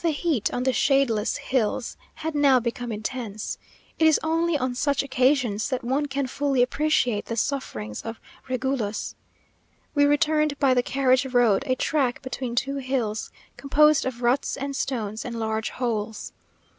The heat on the shadeless hills had now become intense. It is only on such occasions that one can fully appreciate the sufferings of Regulus. We returned by the carriage road, a track between two hills, composed of ruts and stones, and large holes.